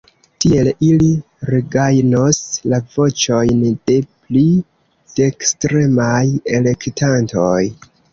Tiel ili regajnos la voĉojn de pli dekstremaj elektantoj.